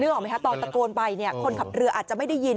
ออกไหมคะตอนตะโกนไปเนี่ยคนขับเรืออาจจะไม่ได้ยิน